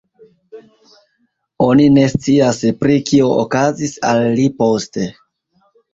Oni ne scias pri kio okazis al li poste.